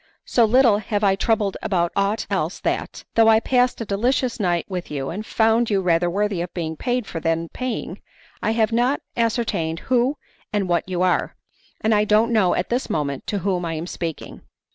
So little have I troubled about aught else that, though I passed a delicious night with you, and found you rather worthy of being paid for than paying, I have not ascertained who and what you are, and I don't know at this moment to whom I am speaking.